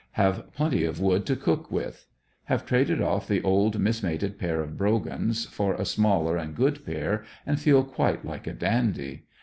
Have plenty of wood to cook with. Have traded off the old missmated pair of brogans for a smaller and good pair, and feel quite like a dandy.